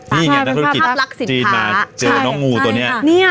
นี่ไงนักธุรกิจจีนมาเจอน้องงูตัวนี้